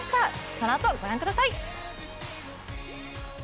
このあと、ご覧ください。